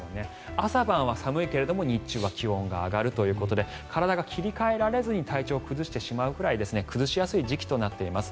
朝晩は寒いけれども日中は気温が上がるということで体が切り替えられずに体調を崩してしまうくらい崩しやすい時期となっています。